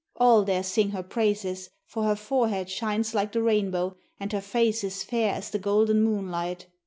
All there sing her praises, for her forehead shines like the rainbow and her face is fair as the golden moonlight.